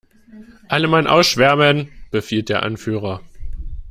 "Alle Mann ausschwärmen!", befiehlt der Anführer.